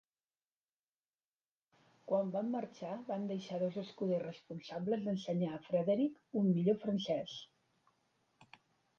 Quan van marxar, van deixar dos escuders responsables d'ensenyar a Frederick un millor francès.